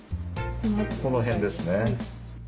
この辺ですね。